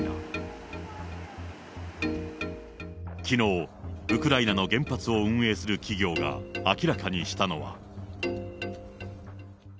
きのう、ウクライナの原発を運営する企業が明らかにしたのは。